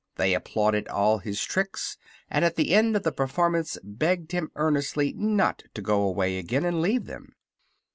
They applauded all his tricks and at the end of the performance begged him earnestly not to go away again and leave them.